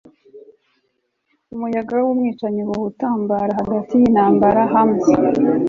umuyaga wumwicanyi uhuha intambara hagati yintambara hums